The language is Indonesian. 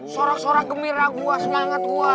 sorak sorak gemeran gua selangat gua